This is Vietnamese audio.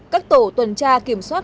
các tổ tuần tra kiểm soát